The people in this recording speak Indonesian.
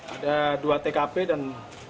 ada dua tkp dan